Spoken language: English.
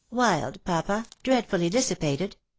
"Wild, papa— dreadfully dissipated.